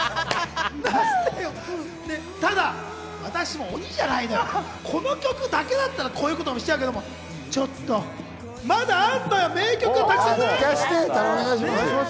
ただ、私も鬼じゃないのよ、この曲だけだったらこういうことしちゃうけど、ちょっと、まだあ出して、お願い。